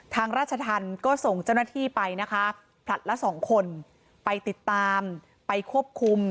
ราชธรรมก็ส่งเจ้าหน้าที่ไปนะคะผลัดละสองคนไปติดตามไปควบคุม